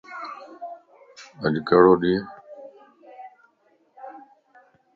اڄ ڪھڙو ڏينھن ائي